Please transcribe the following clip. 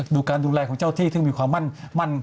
ดูแลการดูแลของเจ้าที่ซึ่งมีความมั่น